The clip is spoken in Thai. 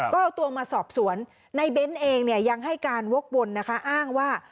ก็เอาตัวมาสอบสวนในเบ้นเองเนี่ยยังให้การวกวนนะคะอ้างว่า